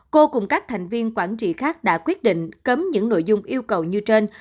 cô cùng các thành viên quản trị khác đã quyết định cấm những nội dung yêu cầu như trên